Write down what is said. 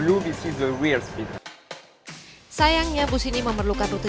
lainnya adalah cara kita mengikuti